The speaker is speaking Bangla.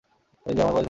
এই যে, আমার বয়স বাইশ।